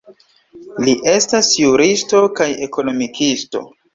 Li estas juristo kaj ekonomikisto.